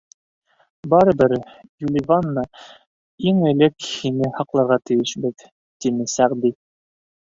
— Барыбер, Юливанна, иң элек һине һаҡларға тейешбеҙ, — тине Сәғди.